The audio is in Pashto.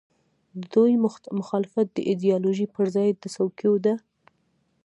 د دوی مخالفت د ایډیالوژۍ پر ځای د څوکیو دی.